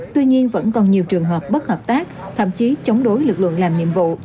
tuy nhiên vẫn còn nhiều trường hợp bất hợp tác thậm chí chống đối lực lượng làm nhiệm vụ